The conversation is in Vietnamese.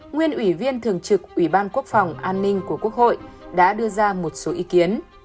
nguyên ủy viên thường trực ủy ban quốc phòng an ninh của quốc hội đã đưa ra một số ý kiến